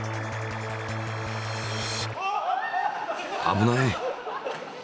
危ない！